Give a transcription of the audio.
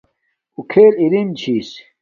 اَوݳ کھݵل اِرِم چھݵس.